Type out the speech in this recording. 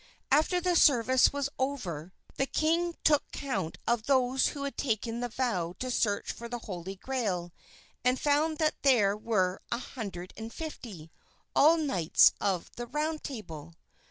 After the service was over the king took count of those who had taken the vow to search for the Holy Grail and found that there were a hundred and fifty, all knights of the Round Table.